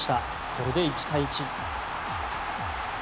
これで１対１。